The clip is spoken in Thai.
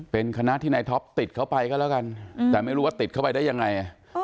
เป็นคณะที่นายท็อปติดเข้าไปก็แล้วกันแต่ไม่รู้ว่าติดเข้าไปได้ยังไง